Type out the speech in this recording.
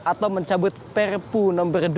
atau mencabut perpu nomor dua